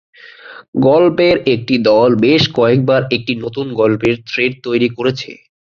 গল্পের একটি দল বেশ কয়েকবার একটি নতুন গল্পের থ্রেড তৈরি করেছে।